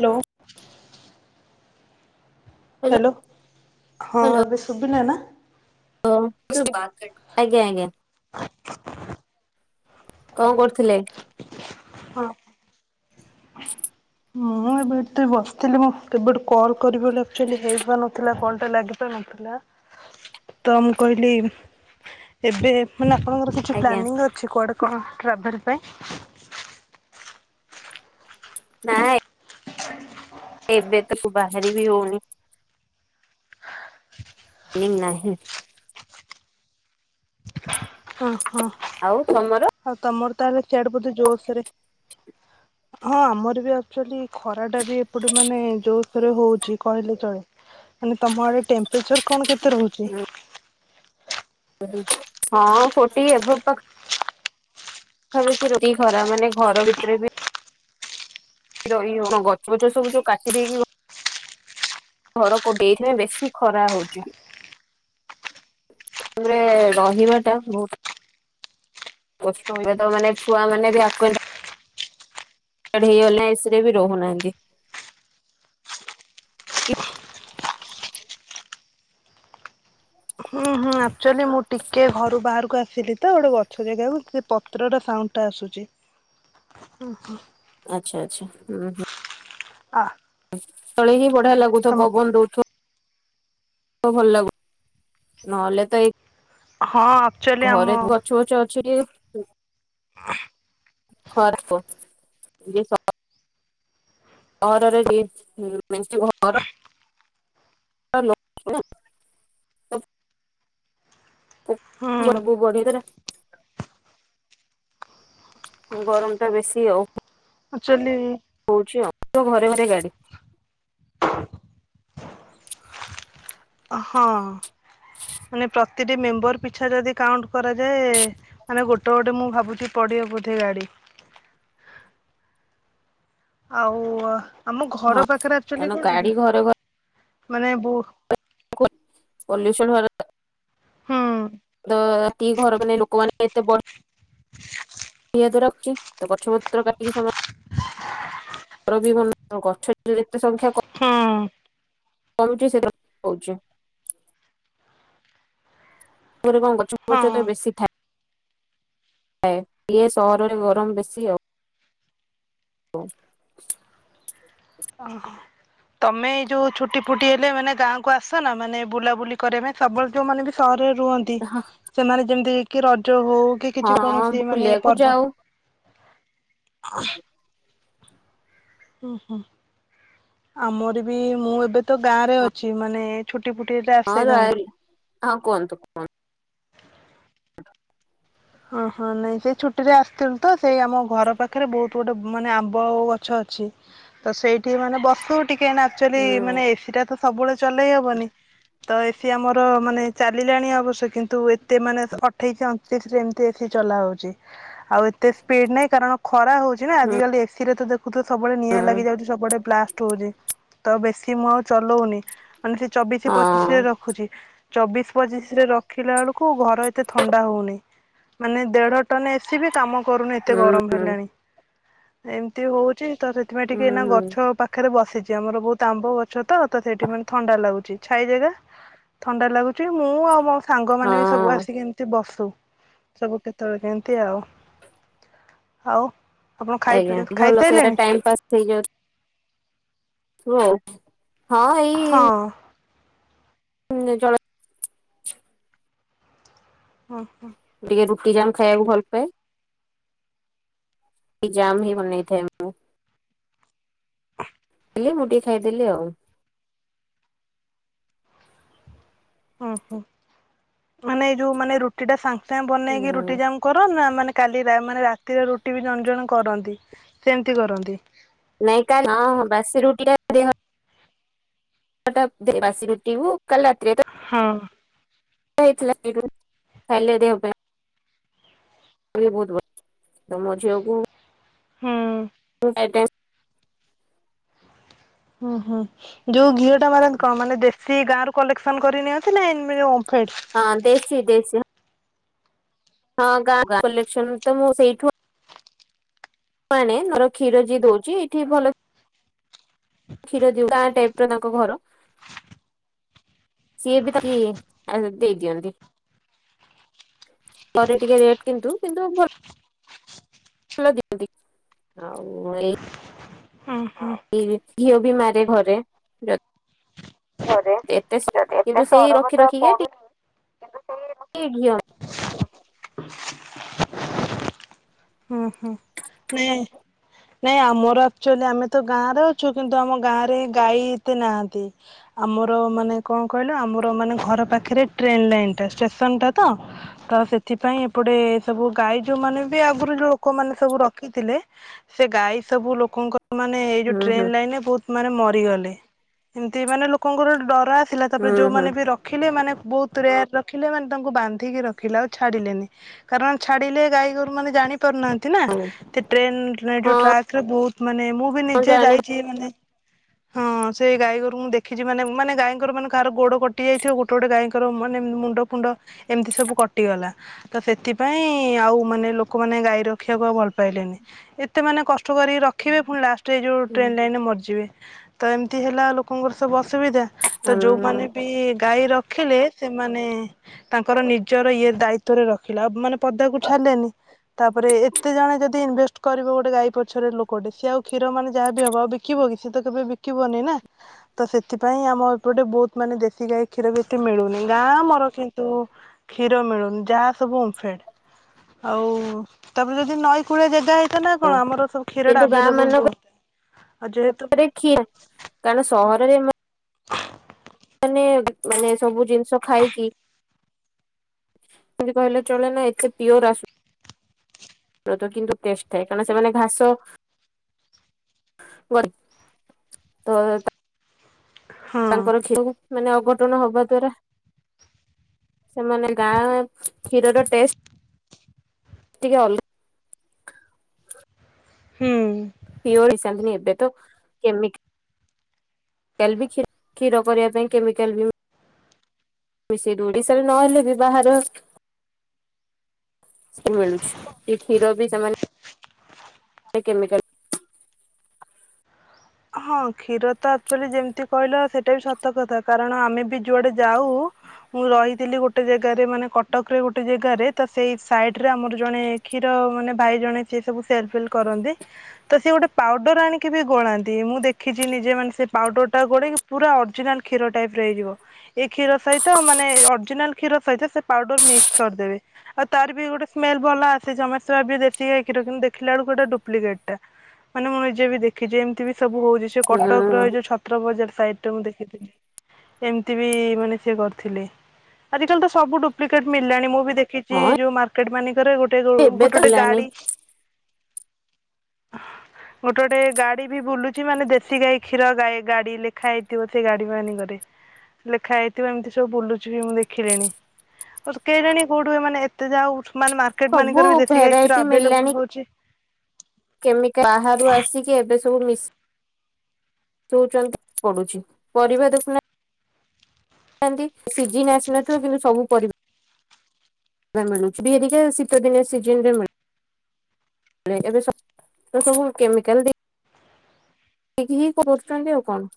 Hello hello hello ହଁ hello ଏବେ ସୁଭିଲା ନା? [unintelligible] ଆଜ୍ଞା ଆଜ୍ଞା। କଣ କରୁଥିଲେ? ହଁ। ମୁଁ ଏବେ ଏଇଠି ବସିଥିଲି ମୁଁ କେବେଠୁ କଲ୍ କରିବି ବୋଲି ଆକଚୁଲି ହେଇପାରୁନଥିଲା କଲଟା ଲାଗି ପାରୁନ ଥିଲା ତ ମୁଁ କହିଲି ଏବେ ମାନେ ଆପଣଙ୍କର କିଛି ଆଜ୍ଞା ପ୍ଲାନିଙ୍ଗ ଅଛି କୁଆଡ଼େ କଣ ଟ୍ରାଭେଲ ପାଇଁ? ନା ଏ ଏବେ ତ କୁ ବାହାରିବି ହଉନି। ନିମ ନାହିଁ। ଅ ହଁ ଆଉ ତମର ତାହେଲେ ସିଆଡ଼େ ବୋଧେ ଜୋର ସୋରେ। ହଁ ଆମର ବି ଆକ୍ଚୁଆଲି ଖରା ଟା ବି ଏପଟେ ମାନେ ଯୋର ସୋରେ ହଉଛି କହିଲେ ଚଳେ। ମାନେ ତମର ଏ ଟେମ୍ପରେଚର କଣ କେତେ ରହୁଛି? ହଁ ଫୋର୍ଟି ଏଵଭ ପା ପାଖାପାଖି ରହୁଚି ଖରା ମାନେ ଘର ଭିତରେ ବି। ରହି ହଉନି ଗଛ ପଛ ସବୁ ଯୋଉ କାଟି ଦେଇକି ଘର କୋ ଦେଇଥିବେ ବେଶୀ ଖରା ହଉଛି। ତାପରେ ରହିବା ଟା ବହୁତ କଷ୍ଟ [unintelligible] ତ ମାନେ ଛୁଆ ମାନେ ବି ଆକ୍ୱେଣ୍ଟ ହେଇ ଗଲେ ଏ ସି ରେବି ରହୁନାହାନ୍ତି। ହୁଁ ହୁଁ ଆକ୍ଚୁଆଲି ମୁଁ ଟିକେ ଘରୁ ବାହାରକୁ ଆସିଲି ତ ଗୋଟେ ଗଛ ଜାଗାକୁ ସେ ପତ୍ରର ସାଉଣ୍ଡଟା ଆସୁଛି। ଉଁ ହୁଁ। ଆଚ୍ଛା ଆଚ୍ଛା ହୁଁ ହୁଁ। ଆ ତଳେ ହିଁ ବଢିଆ ଲାଗୁଥିବ, ତମ ପବନ ଦଉଥିବ। ଭଲ ଲାଗୁ ନହେଲେ ତ ଏଇ ହଁ। ଆକ୍ଚୁଆଲି ଘରେ ଆମ ଗଛ ବଛ ଅଛି। ଖରାପ ଯ [unintelligible] [unintelligible] [unintelligible] ହୁଁ ବୁ ବଢ ତ [unintelligible] ଗରମଟା ବେଶୀ ଆଉ। ଆକଚୁଆଚଲି କହୁଛି ଆଉ ତ ଘରେ ଘରେ ଗାଡି ହଁ। ମାନେ ପ୍ରତିଟି ମେମ୍ବର ପିଛା ଯଦି କାଉଣ୍ଟ କରାଯାଏ। ମାନେ ଗୋଟେ ଗୋଟେ ମୁଁ ଭାବୁଛି ପଡିିବ ବୋଧେ ଗାଡି। ଆଉ ଆମ ହଁ ଘର ପାଖରେ ଆଚୁଲି କାରଣ କଣ ଗାଡି କି ଘରେ ମାନେ ବ ପଲୁସନ ହୁଁ [unintelligible] ତି ଘର ମାନେ ଲୋକମାନେ। ଏତେ [unintelligible] ରଖୁଛି ତ ଗଛ ପତ୍ର କାଟିକି ଘର ବି ଗଛ ଯେତେ ସଂଖ୍ୟା କ ହଁ। କମୁଛି ସେ କହୁଛି ରେ କଣ ଗଛ ଗଛ ହଁ ତ ବେଶୀ ଥାଏ। ଇଏ ସହରରେ ଗରମ ବେଶୀ ଆଉ। ହଁ ଓହୋ ତମେ ଏଇ ଯୋଉ ଛୁଟି ଫୁଟି ହେଲେ ମାନେ ଗାଁକୁ ଆସ ନା ମାନେ ବୁଲାବୁଲି କରିଆ ପାଇଁ। ସବୁବେଳେ ଯୋଉମାନେ ବି ସହରରେ ରୁହନ୍ତି। ଆଉ ସେମାନେ ଯେମିତି କି ରଜ ହଉ। କି କିଛି ହଁ କୌଣସି ମାନେ ବୁଲିବାକୁ ପର୍ବ ଯାଉ ହୁଁ ହୁଁ ଆମର ବି ମୁଁ ଏବେ ତ ଗାଁ ରେ ଅଛି ମାନେ ଛୁଟି ଫୁଟି ହଁ ଆସେ ର ଗାଁକୁ। ହଁ କୁହନ୍ତୁ କୁହନ୍ତୁ। ଓଁ ହଁ ନାଇଁ ସେ ଛୁଟିରେ ଆସିଥିଲୁ ତ ସେଇ ଆମ ଘର ପାଖରେ ବହୁତ ଗୋଟେ ମାନେ ଆମ୍ବ ଆ ଗଛ ଅଛି। ତ ସେଇଠି ମାନେ ବସୁ ଟିକେ, ଆଚୁଆଲି କୁହନ୍ତୁ ମାନେ ଏସିଟା ତ ସବୁବେଳେ ଚଲେଇ ହବନି। ତ ଏସି ଆମର ମାନେ ଚାଲିଲାଣି ଅବଶ୍ୟ କିନ୍ତୁ ଏତେ ମାନେ ଅଠେଇଶ ଅଣତିରିଶରେ ଏମତି। ଏ ସି ଚଲା ହଉଛି ଆଉ ଏତେ ସ୍ପିଡ ନାହିଁ କାରଣ ଖରା ହଉଛି ନା ହୁଁ ଆଜିିକାଲି ଏସିରେ ତ। ୁ ତ ସବୁବେଳେ ନିଆଁ ହୁଁ ଲାଗି ଯାଉଛି ସବୁବେଳେ ବ୍ଲାଷ୍ଟ ହଉଛି ତ ବେଶୀ ମୁଁ ଚଲଉନି ମାନେ ସେ ଚବିଶ ହଁ ପଚିଶରେ ରଖୁଛି। ଚବିଶ ପଚିଶରେ ରଖିଲା ବେଳକୁ ଘର ଏତେ ଥଣ୍ଡା ହଉନି। ମାନେ ଦେଢ ଟନ ଏସି ବି କାମ କରୁନି ଏତେ ଗରମ ହୁଁ ହେଲାଣି। ଏମିତି ହଉଛି ତ ସେଥିପାଇଁ ଟିକେ ଏନା ହୁଁ ଗଛ ପାଖରେ ବସିଛି ଆମର ବହୁତ ଆମ୍ବ ଗଛ। ତ ସେଠି ମାନେ ଥଣ୍ଡା ଲାଗୁଛି ଛାଇ ଜାଗା ଥଣ୍ଡା ଲାଗୁଛି ମୁଁ ଆଉ ମୋ ସାଙ୍ଗମାନେ ବି ସବୁ ହଁ। ଆସିକି ଏମିତି ବସୁ। ସବୁ କେତେବେଳେ କେମତି ଆଉ ଆଉ। ଆପଣ ଖାଇ ପି ଆଜ୍ଞା ଭଲ ସେଇଟା ଖାଇସାଇଲେଣି? ଟାଇମ ପାସ୍ ହେଇଯାଉଛି। ହୁଉ ହଁ ଏଇ। ହଁ ହୁଁ ଜଳ ହଁ ହଁ। ଟିକେ ରୁଟି ଜାମ୍ ଖାଇବାକୁ ଭଲ ପାଏ। ଜାମ ହିଁ ବନେଇଥାଏ। ମୁଁ ଖାଲି ମୁଁ ଟିକେ ଖାଇଦେଲି ଆଉ। ଓ ହୋଁ ମାନେ ଏଇ ଯୋଉ ମାନେ ରୁଟି ଟା ସାଙ୍ଗେ ସାଙ୍ଗେ ହୁଁ ବନେଇକି ରୁଟି ଯା କର ନା ମାନେ କାଲି ରା ମାନେ ରାତିର ରୁଟି ବି ଜଣେ ଜଣେ କରନ୍ତି କେମିତି କରନ୍ତି? ନାଇଁ କାଁଁ ହଁ ହଁ ବାସି ରୁଟି ଟା ପଟା ଦେ ବାସି ରୁଟି ହଉ କାଲ ରାତିରେ ତ ହଁ। ହେଇଥିଲା [unintelligible] ଖାଇଲେ ଦେହ ପାଇଁ ବହୁତ ଭଲ ତମ ଝିଅକୁ ହୁଁ। ମାଡ଼ାମ। ଓ ହୁଁ ଯୋଉ ଘିଅ ଟା ମାନେ କଣ ମାନେ ଦେଶୀ ସି ଗାଁରୁ କଲେକ୍ସନ କରି ନିଅନ୍ତି ନା ଓମ୍ଫେଡ? ହଁ ଦେଶୀ ଦେଶୀ। ହଁ ଗାଁ କଲେକ୍ସନ ତ ମୁଁ ସେଇଠୁ ନାଇଁ ନାଇଁ ମର କ୍ଷୀର ଯିଏ ଦଉଚି ଏଠି ଭଲ କ୍ଷୀର ଦିଏ ଗାଁ ଟାଇପ ର ତାଙ୍କ ଘର। ସିଏ ବି ତ କିିଏ ଆଣିକି ଦେଇ ଦିଅନ୍ତି। ପରେ ଟିକେ ରେଟ୍ କିନ୍ତୁ କିନ୍ତୁ ଭଲ ଦିଅନ୍ତି। ଆଉ ଏଇ ହଁ ହଁ। ବି ଘିଅ ବି ମାରେ ଘରେ ଏତେ ସ କିନ୍ତୁ ସେଇ ରଖି ରଖିକି ଟିକେ କି ଘିଅ ହୁଁ ହୁଁ। ନେ ନାଇଁ ଆମର ଆକ୍ଚୁଆଲି ଆମେ ତ ଗାଁରେ ଅଛୁ କିନ୍ତୁ ଆମ ଗାଁ ରେ ଗାଈ ଏତେ ନାହାନ୍ତି। ଆମର ମାନେ କଣ କହିଲ ଆମର ମାନେ ଘର ପାଖରେ ଟ୍ରେନ ଲାଇନ ଟା ଷ୍ଟେସନ ଟା ତ। ତ ସେଥିପାଇଁ ଏପଟେ ସବୁ ଗାଈ ଯୋଉମାନେ ବି ଆଗରୁ ଯୋଉ ଲୋକମାନେ ସବୁ ରଖ ଖିଥିଲେ ସେ ଗାଈ ସବୁ ଲୋକଙ୍କ ମାନେ ଏଇ ଯଉ ହୁଁ ଟ୍ରେନ ହୁଁ ଲାଇନ ରେ ବହୁତ ମାନେ ମରିଗଲେ ଏମତି ମାନେ ଲୋକଙ୍କର ଡର ଆସିଲା ତାପରେ ହୁଁ ଯୋଉମାନେ ବି ର ରଖିଲେ ମାନେ ବହୁତ ରେୟାର ରଖିଲେ ମାନେ ତାଙ୍କୁ ବାନ୍ଧିକି ରଖିଲେ ଆଉ ଛାଡିଲେନି। କାରଣ ଛାଡିଲେ ଗାଈ ଗୋରୁ ମାନ ଜାଣି ପାରୁନାହାନ୍ତି ନା ହୁଁ ଟ୍ରେନ ହଁ ଟ୍ରାକରେ ବହୁତ ମାନେ ମୁଁ ବି ହଁ ନିଜେ ଜାଣି ଯାଇଛି ଚି ମାନେ ହଁ ସେଇ ଗାଈଗୋରୁଙ୍କୁ ମୁଁ ଦେଖିଚି ମାନେ ମାନେ ଗାଈଙ୍କର ମାନେ କାହାର ଗୋଡ କଟି ଯାଇଥିବ ଗୋଟେ ଗୋଟେ ଗୋଟେ ଗାଈଙ୍କର ମାନେ ମୁଣ୍ଡ ଫୁଣ୍ଡ ଏମିତି ସବୁ କଟିଗଲା। ତ ସେଥିପାଇଁ ଆଉ ମାନେ ଲୋକମାନେ ଗାଈ ରଖିବାକୁ ଆଉ ଭଲ ପାଇଲେନି। ଏତେ ମେ କଷ୍ଟ କରିକି ରଖିବେ ପୁଣି ଲାଷ୍ଟରେ ଏ ଯୋଉ ଟ୍ରେନ୍ ଲାଇନରେ ମରିଯିବେ। ତ ଏମିତି ହେଲା ଲୋକଙ୍କର ସବୁ ଅସୁବିଧା ତ ଯୋଉମାନେ ବି ଗାଈ ରଖିଲେ ସେମାନେ ତାଙ୍କର ନିଜର ଇଏ ଦାୟିତ୍ୱ ରେ ରଖିଲା ମାନେ ପଦାକୁ ଛାଡିଲେନି ତାପରେ ଏତେ ଜଣ ଯଦି ଇନଭେଷ୍ଟ କରିବ ଗୋଟେ ଗାଈ ପଛରେ ଲୋକଟେ ସି ଆଉ କ୍ଷୀର ମାନେ ଯାହା ବି ହବ ବିକିବ କି ସିଏ ତ କେବେ ବିକିବନି ନା। ତ ସେଥିପାଇଁ ଆମ ଏପଟେ ବହୁତ ମାନେ ଦେଶୀ ଗାଈ କ୍ଷୀର ବି ଏତେ ମିଳୁନି ଗାଁ ଆମର କିନ୍ତୁ କ୍ଷୀର ମିଳୁନି ଯାହା ସବୁ ଓମଫେଡ ଆଉ ତାପରେ ଯଦି ନଈ କୁଳିଆ ଜାଗା ହେଇଥାନ୍ତା କଣ ଆମର ସବୁ କ୍ଷୀର ଟା କିନ୍ତୁ ଗାଁ ଆଭେଲେବୁଲ ମାନଙ୍କରେ ରୁହନ୍ତା ଆଉ ଯେହେତୁ କ୍ଷୀର କାରଣ ସହରରେ ମାନେ ମାନେ ସବୁ ଜିନିଷ ଖାଇକି କହିଲେ ଚଳେ ନା ଏତେ ପିଓର ଆସୁ କିନ୍ତୁ ଟେଷ୍ଟ ଥାଏ କାରଣ ସେମାନେ ଘାସ ୱାର୍ଡ ତ ହଁ ତାଙ୍କର କ୍ଷୀର ମାନେ ଅଘଟଣ ହବା ଦ୍ଵାରା ସେମାନେ ଗାଁ କ୍ଷୀରର ଟେଷ୍ଟ ଟିକେ ଅଲଗା। ହୁଁ। ପିଓର ମିଶାନ୍ତିନି ଏବେ ତ କେମି କେଲ୍ ବି କ୍ଷି କ୍ଷୀର କରିବା ପାଇଁ କେମିକାଲ ବି ମିଶୋଇ ଦୋଉ ଓଡିଶାରେ ନହେଲେ ବି ବାହାର ସେ ମିଳୁଛୁ ସେ କ୍ଷୀର ବି ସେମାନେ ଏ କେମିକାଲ ହଁ କ୍ଷୀର ତ ଆକ୍କଚୁଲି ଯେମ୍ ତି କହିଲା ସେଇଟା ବି ସତ କଥା କାରଣ ଆମେ ବି ଯୁଆଡେ ଯାଉ ମୁଁ ରହିଥିଲି ଗୋଟେ ଜେଗାରେ ମାନେ କଟକରେ ଗୋଟେ ଜେଗାରେ ତ ସେଇ ସାଇଡରେ ଆମର ଜଣେ କ୍ଷୀର ମାନେ ଭାଇ ଜଣେ ସିଏ ସବୁ ସେଲ୍ ଫେଲ୍ କରନ୍ତି ତ ସିଏ ଗୋଟେ ପାଉଡର୍ ଆଣିକି ବି ଗୋଳା ଚି ମୁଁ ଦେଖିଚି ନିଜେ ମାନେ ସେ ପାଉଡ଼ରଟା ଗୋଳେଇକି ପୁରା ଅରିଜିନାଲ୍ କ୍ଷୀର ଟାଇପ୍ ର ହେଇଯିବ। ଏଇ କ୍ଷୀର ସହିତ ମାନେ ଅର୍ଜିନାଲ କ୍ଷୀର ସହିତ ସେ ପାଉଡର ମିକ୍ସ କରିଦେବେ। ଆଉ ତାର ବି ଗୋଟେ ସ୍ମେଲ୍ ଭଲ ଆସେ ସମସ୍ତେ ଭାବିବେ ଦେଶୀଗାଇ କ୍ଷୀର କିନ୍ତୁ ଦେଖିଲା ବେଳୁକୁ ଏଟା ଡୁପ୍ଲିକେଟ୍ ଟା। ମାନେ ମୁଁ ନିଜେ ବି ଦେଖିଚି ଏମ୍ତି ବି ସବୁ ହୋଉଚି ସେଇ କଟକ୍ ର ଏଇ ଯୋଉ ଛ ତ୍ର ବଜାର ସାଇଟ୍ ଟେ ମୁଁ ଦେଖିଥିଲି। ସେମ୍ତି ବି ମାନେ ସିଏ କରିଥିଲେ ଆଜିିକାଲି ତ ସବୁ ଡୁପ୍ଲିକେଟ୍ ମିଳିଲାଣି ମୁଁ ବି ଦେ ଖିଚି ହଁ ଯୋଉ ମାର୍କେଟ୍ ମାନିଙ୍କରେ ଗୋଟେ ଗୋ ଏବେ ଗୋଟେ ତ ଟେ ହେଲାଣି ଗାଡି ଗୋଟେ ଗୋଟେ ଗାଡି ବି ବୁଲୁ ଚି ମାନେ ଦେଶୀ ଗାଈ କ୍ଷୀର ଗାଈ ଗାଡି ଲେଖା ହେଇଥିବ ସେଇ ଗାଡି ମାନିଙ୍କରେ। ଲେଖା ହେଇଥିବ ଏମ୍ତି ସବୁ ବୁଲୁଚି ବି ମୁଁ ଦେଖିଲିଣି। କେଇଜାଣି କୋଉଠୁ ଏମାନେ ଏତେ ଯାଉ ମାନେ ମା ସବୁ ଭେରାଇଟି ମିଳିଲାଣି କେମିକା ବାହାରୁ ଆସି ଏବେ ସବୁ ମିଶ୍ ସୁଚ ପଡୁଚି ପରିବା ଦେଖୁନ ନରମି ସିଜିନ୍ ଆସି ନଥିବ କିନ୍ତୁ ସବୁ ପରି ମିଳୁଛି ବିହେଇକା ଶୀତଦିନଆ ସିଜନ୍ ରେ ମିଳୁ ଏବେ ସ ସବୁ କେମିକାଲ ଦେଇ ଦେଖିକି କରୁଚନ୍ତି ଆଉ କଣ।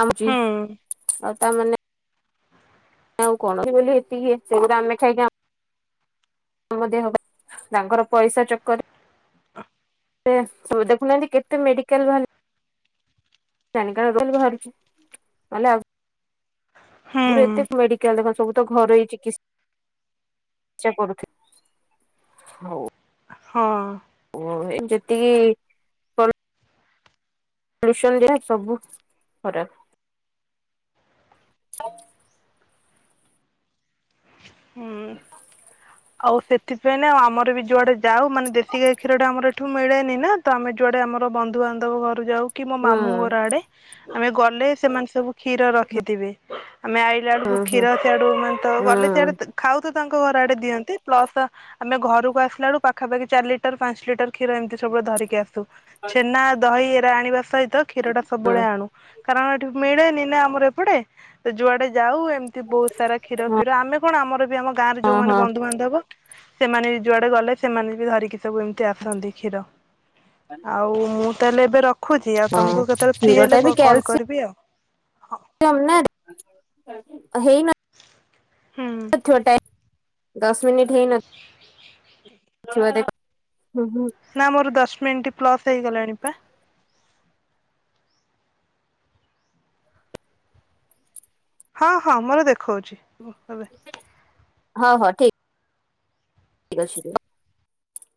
ଆଉଛି ହୁଁ ଆଉ ତା ମାନେ ଆଉ କଣ ବୋଲି ଏତିକି ସେ ଗୁଡା ଆମେ ଖାଇ କାଇଁ ଆମ ଦେହ ପା ତାଙ୍କର ପଇସା ଚକର୍ ରେ ଅ ସେ ଦେଖୁନାହାନ୍ତି କେତେ ମେଡିକାଲ୍ ଭା ସାନିଟାରୀ କହିଲି ବାହାରୁଛି ନହେଲେ ଆଉ ଗରୁ ଏତେ ହୁଁ ମେଡିକାଲ ଦେଖ ସବୁ ତ ଘରୋଇ ଚିକିସ୍ ସେକରୁଥୁ ହୋଉ। ହଁ। ଓ ଏ ଯେତିକି ସନ୍ ଯା ସବୁ ଖରାପ। ହୁଁ ଆଉ ସେଥିପାଇଁ ନା ଆମର ବି ଯୁଆଡେ ଯାଉ ମାନେ ଦେଶୀ ଗାଈ କ୍ଷୀରଟା ଆମର ଏ ଏଠୁ ମିଳେନି ନା ତ ଆମେ ଯୁଆଡେ ଆମର ବନ୍ଧୁବାନ୍ଧବ ଘରୁ ଯାଉ କି ମୋ ହୁଁ ମାମୁଁ ଘର ଆଡେ ଆମେ ଗଲେ ସେମାନେ ସବୁ କ୍ଷୀର ରଖିଥିବେ ଆମେ ଆଇ ଇଆଡୁକୁ ହୁଁ ହୁଁ କ୍ଷୀର ସିଆଡ଼ୁ ମାନେ ହୁଁ ଗଲେ ସିଆଡେ ଖାଉ ତ ତାଙ୍କ ଘର ଆଡ଼େ ଦିଅ ଚି ପ୍ଲସ ଆମେ ଘରକୁ ଆସିଲା ବେଳୁ ପାଖାପାଖି ଚାରି ଲିଟର୍ ପାଞ୍ଚ ଲିଟର୍ କ୍ଷୀର ଏମିତି ସବୁବେଳ ଧରିକି ଆସୁ, ଛେନା, ଦହି ଏରା ଆଣିବା ସହିତ କ୍ଷୀରଟା ସବୁବେଳେ ଆଣୁ। କାରଣ ଏଠି ମିଳେନି ନା ଆମର ଏପଟେ, ତ ଯୁଆଡେ ଯାଉ ଏମିତି ବୋହୁତ୍ ସାରା କ୍ଷୀର ହୁଁ ଫିର ଆମେ କଣ ଆମର ବି ଆମ ଗାଁରେ ହଁ ଯଉମାନେ ହଁ ବନ୍ଧୁବା ଦବ ସେମାନେ ବି ଯୁଆଡେ ଗଲେ ସେମାନେ ବି ଧରିକି ସବୁ ଏମ୍ ତି ଆସନ୍ତି କ୍ଷୀର ଆଉ ମୁଁ ତାହେଲେ ଏବେ ର ଖୁଛି ଆଉ ହଁ ତମୁକୁ କେତେବେଳେ ଫ୍ରି କ୍ଷୀର ହେଲେ କଲ୍ କରିବି ଆଉ। ଏ ଅମ୍ନାର୍ ହେଇ ନା ହୁଁ। ତ ଟେନ ଦଶ ମିନିଟ ହେଇନଥିବ ଦେଖ ନା ମୋର ଦଶ ମିନିଟ୍ ପ୍ଲସ୍ ହେଇଗଲାଣିି ପା। ହଁ ହଁ ମୋର ଦେଖଉଛି ଏବେ। ହଁ ହଉ ଠିକ [unintelligible]